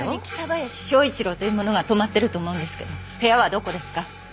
こちらに北林昭一郎という者が泊まってると思うんですけど部屋はどこですか？